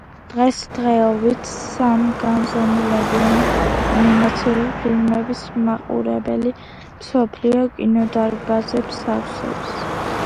დღესდღეობით, სამგანზომილებიანი ანიმაციური ფილმების მაყურებელი მსოფლიო კინოდარბაზებს ავსებს.